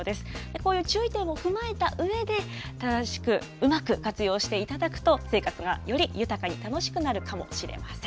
こういう注意点も踏まえたうえで、正しくうまく活用していただくと、生活がより豊かに楽しくなるかもしれません。